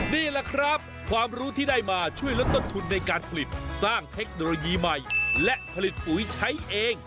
นี่แหละครับความรู้ที่ได้มาช่วยลดต้นทุนในการผลิตสร้างเทคโนโลยีใหม่และผลิตปุ๋ยใช้เอง